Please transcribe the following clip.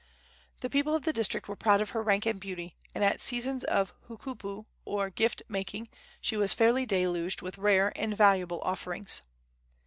The people of the district were proud of her rank and beauty, and at seasons of hookupu, or gift making, she was fairly deluged with rare and valuable offerings.